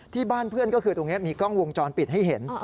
ที่บ้านเพื่อนก็คือตรงนี้มีกล้องวงจรปิดให้เห็น